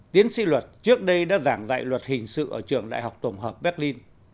tiến sĩ luật trước đây đã giảng dạy luật hình sự ở trường đại học tổng hợp berlin